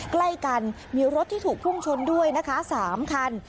ใกล้กันมีรถที่ถูกพุ่งชนด้วยนะคะ๓คัน